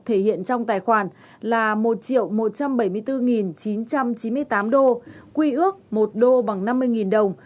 thể hiện trong tài khoản là một một trăm bảy mươi bốn chín trăm chín mươi tám đô quy ước một đô bằng năm mươi đồng